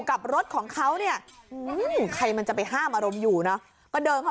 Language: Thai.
กับรถของเขาเนี่ยใครมันจะไปห้ามอารมณ์อยู่เนอะก็เดินเข้า